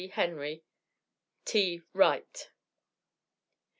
Henry, T. Wright.